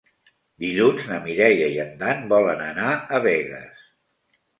Dilluns na Mireia i en Dan volen anar a Begues.